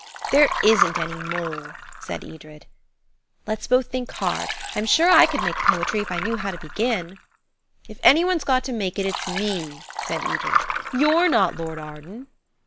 "There isn't any mole," said Edred. "Let's both think hard. I'm sure I could make poetry–if I knew how to begin." "If any one's got to make it, it's me," said Edred. "You're not Lord Arden."